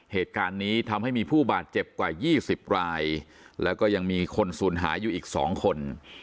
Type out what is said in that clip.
เหตุการณ์นี้ทำให้มีผู้บาดเจ็บกว่า๒๐รายแล้วก็ยังมีคนสูญหายอยู่อีก๒คน